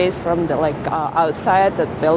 pergi dan melihat tempat itu dari luar